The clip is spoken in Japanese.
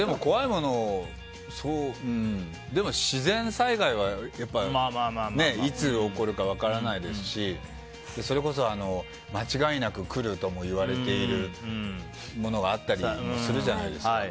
でも、自然災害はいつ起こるか分からないですしそれこそ、間違いなく来るともいわれているものがあったりするじゃないですか。